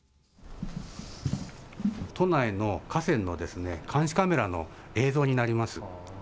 都内の河川の監視カメラの映像になります。